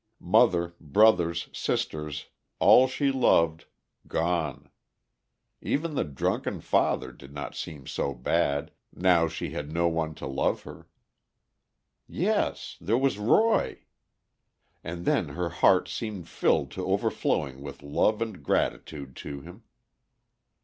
Mother, brothers, sisters, all she loved—gone! Even the drunken father did not seem so bad, now she had no one to love her. Yes, there was Roy! And then her heart seemed filled to overflowing with love and gratitude to him.